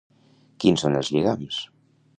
Quins són els lligams?